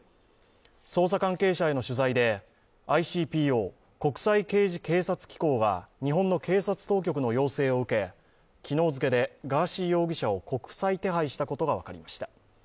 捜査関係者への取材で、ＩＣＰＯ＝国際刑事警察機構が日本の警察当局の要請を受け、昨日付でガーシー容疑者を国際手配したことが分かりました。